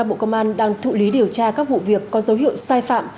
bộ công an đang thụ lý điều tra các vụ việc có dấu hiệu sai phạm